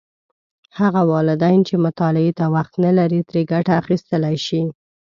هغه والدین چې مطالعې ته وخت نه لري، ترې ګټه اخیستلی شي.